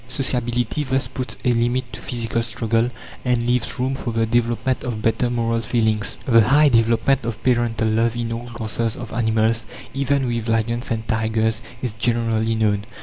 Sociability thus puts a limit to physical struggle, and leaves room for the development of better moral feelings. The high development of parental love in all classes of animals, even with lions and tigers, is generally known.